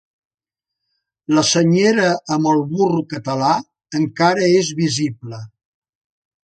La senyera amb el burro català encara és visible.